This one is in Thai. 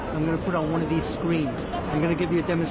ยังไง